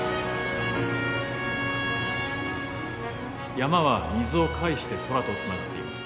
山は水を介して空とつながっています。